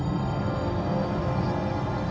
พี่ป๋องครับผมเคยไปที่บ้านผีคลั่งมาแล้ว